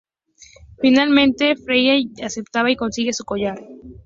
Finalmente, freya acepta y consigue su collar.